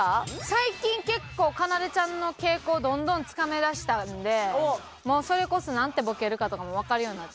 最近結構かなでちゃんの傾向どんどんつかめだしたんでそれこそなんてボケるかとかもわかるようになってきたので。